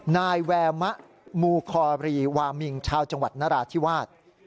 นายแวมะมูคอรีวามิงชาวจังหวัดนราธิวาส